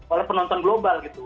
oleh penonton global gitu